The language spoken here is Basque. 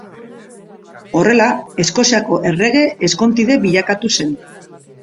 Horrela Eskoziako errege ezkontide bilakatu zen.